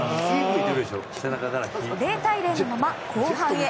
０対０のまま、後半へ。